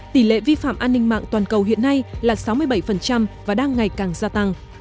tỷ lệ vi phạm an ninh mạng toàn cầu hiện nay là sáu mươi bảy và đang ngày càng gia tăng